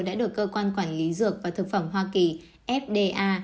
đã được cơ quan quản lý dược và thực phẩm hoa kỳ fda